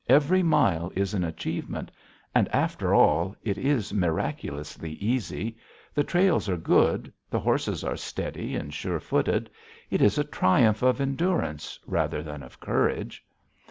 Every mile is an achievement. And, after all, it is miraculously easy. The trails are good. The horses are steady and sure footed. It is a triumph of endurance rather than of courage.